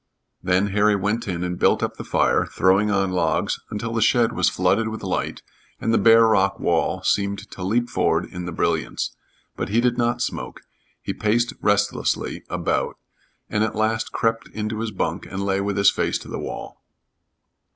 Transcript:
Then Harry went in and built up the fire, throwing on logs until the shed was flooded with light and the bare rock wall seemed to leap forward in the brilliance, but he did not smoke; he paced restlessly about and at last crept into his bunk and lay with his face to the wall.